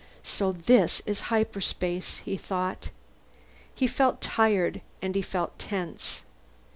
So this is hyperspace, he thought. He felt tired, and he felt tense.